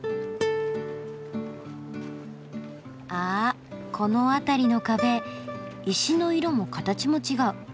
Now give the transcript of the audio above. あぁこの辺りの壁石の色も形も違う。